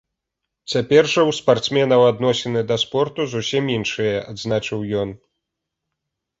Цяпер жа ў спартсменаў адносіны да спорту зусім іншыя, адзначыў ён.